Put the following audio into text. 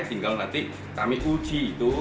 tinggal nanti kami uji itu